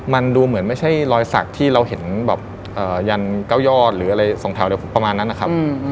มันดูเหมือนไม่ใช่รอยสักที่เราเห็นแบบยันเก้ายอดหรืออะไรสองแถวประมาณนั้นนะครับ